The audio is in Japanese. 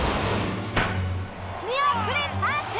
見送り三振！